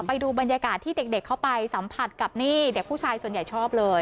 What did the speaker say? ไปดูบรรยากาศที่เด็กเข้าไปสัมผัสกับนี่เด็กผู้ชายส่วนใหญ่ชอบเลย